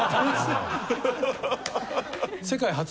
世界初。